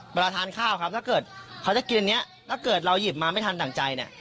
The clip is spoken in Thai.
เวลาทานข้าวครับถ้าเกิดเขาจะกินเนี่ยถ้าเกิดเราหยิบมาไม่ทันดั่งใจเนี่ย